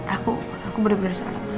aku aku bener bener salah ma